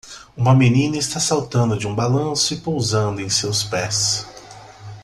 Uma menina está saltando de um balanço e pousando em seus pés